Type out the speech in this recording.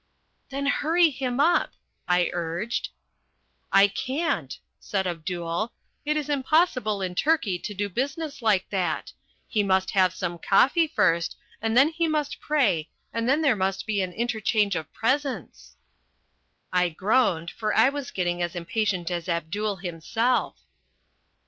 "Then hurry him up," I urged. "I can't," said Abdul. "It is impossible in Turkey to do business like that. He must have some coffee first and then he must pray and then there must be an interchange of presents." I groaned, for I was getting as impatient as Abdul himself.